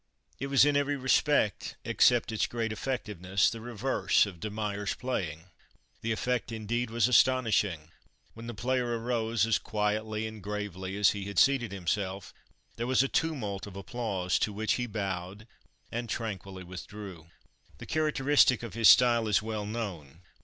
It was in every respect except its great effectiveness the reverse of De Meyer's playing. The effect, indeed, was astonishing. When the player arose, as quietly and gravely as he had seated himself, there was a tumult of applause, to which he bowed and tranquilly withdrew. The characteristic of his style is well known.